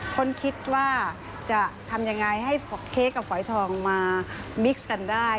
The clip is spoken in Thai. คนคิดว่าจะทำยังไงให้เค้กกับฝอยทองมาบิ๊กซ์กันได้